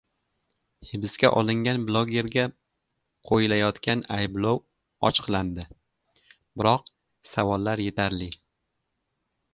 Hibsga olingan blogerga qo‘yilayotgan ayblov ochiqlandi. Biroq savollar yetarli...